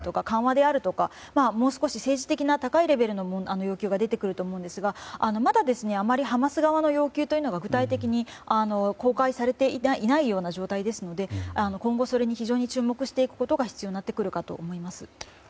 あとは２００７年以降続いている封鎖の解除であるとか緩和であるとか、もう少し政治的な高いレベルの要求が出てくると思うんですがまだ、あまりハマス側の要求が具体的に公開されていないような状態ですので今後、それに非常に注目していくことが必要になるかと思います。